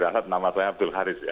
selamat malam abdul haris